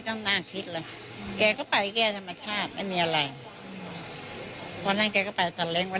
วันนั้นแกก็ไปสันเล็งวันนั้นแกก็ไปอ่ะ